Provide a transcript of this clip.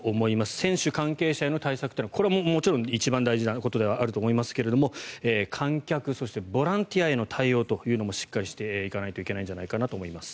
選手関係者への対策はこれは一番大事なことだと思いますが観客、そしてボランティアへの対応というのもしっかりしていかないといけないんじゃないかなと思います。